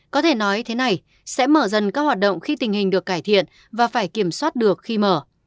có thể nói thế này sẽ mở dần các hoạt động khi tình hình được cải thiện và phải kiểm soát được khi mở